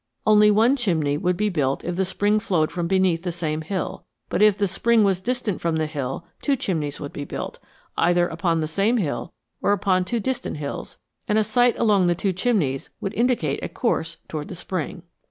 Only one chimney would be built if the spring flowed from beneath the same hill, but if the spring was distant from the hill two chimneys would be built, either upon the same hill or upon two distant hills, and a sight along the two chimneys would indicate a course toward the spring.